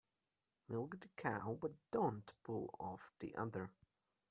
Milk the cow but don't pull off the udder.